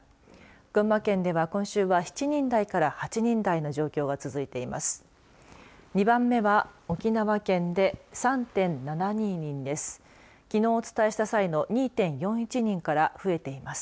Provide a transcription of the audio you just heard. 群馬県では今週は７人台から８人台の状況が続いています。